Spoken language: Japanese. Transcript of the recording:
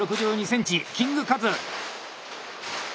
１６２ｃｍキングカズ。